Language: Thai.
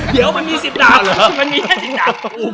เดี๋ยวมันมี๑๐ดาบ